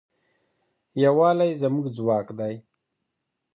یووالی زموږ ځواک دی.